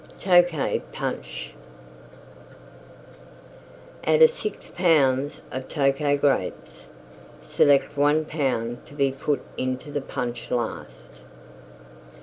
TOKAY PUNCH Out of 6 pounds of Tokay Grapes, select one pound to be put into the Punch last.